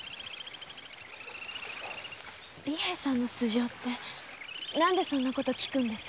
利平さんの素性って何でそんなこと訊くんです？